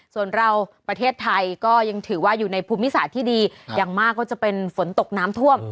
ส่วนเราประเทศไทยก็ยังถือว่าอยู่ในภูมิศาสตร์ที่ดีอย่างมากก็จะเป็นฝนตกน้ำท่วม